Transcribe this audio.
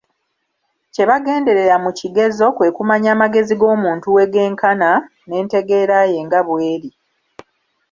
Kye bagenderera mu kigezo kwe kumanya amagezi g'omuntu we genkana, n'entegeera ye nga bw'eri.